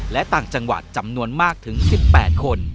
และต่างจังหวัดจำนวนมากถึง๑๘คน